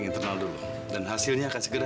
kita berhasil mit